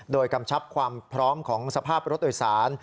โดยกำชับความพร้อมของสภาพรถโดยสาร